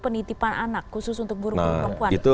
penitipan anak khusus untuk burung perempuan